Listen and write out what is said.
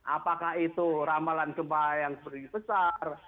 apakah itu ramalan gempa yang sedikit besar